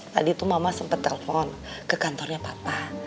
tadi tuh mama sempat telpon ke kantornya papa